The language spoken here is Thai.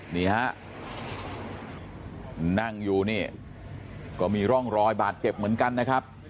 นี่ฮะนั่งอยู่นี่ก็มีร่องรอยบาดเจ็บเหมือนกันนะครับ